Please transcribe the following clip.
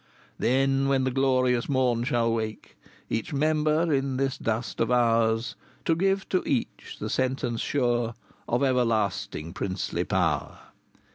VI. Then, when the glorious morn shall wake Each member in this dust of ours, To give to each the sentence sure Of everlasting Princely Power VII.